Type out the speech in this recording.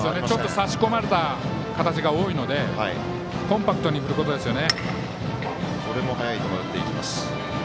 差し込まれた形が多いのでコンパクトに振ることですよね。